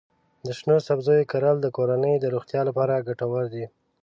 د شنو سبزیو کرل د کورنۍ د روغتیا لپاره ګټور دي.